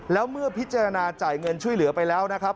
แล้วเมื่อพิจารณาจ่ายเงินช่วยเหลือไปแล้วนะครับ